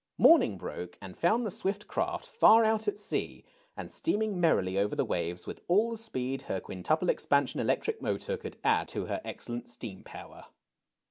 Morning broke and found the swift craft far out at sea, and steaming merrily over the waves with all the speed her quintuple expansion electric motor could add to her excellent steam power.